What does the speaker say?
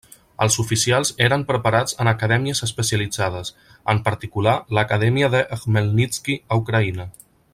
Els oficials eren preparats en acadèmies especialitzades, en particular, l'Acadèmia de Khmelnitski, a Ucraïna.